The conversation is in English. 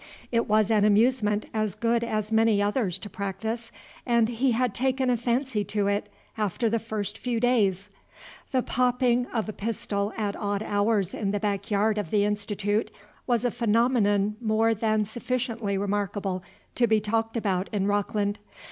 It was an amusement as good as many others to practise, and he had taken a fancy to it after the first few days. The popping of a pistol at odd hours in the backyard of the Institute was a phenomenon more than sufficiently remarkable to be talked about in Rockland.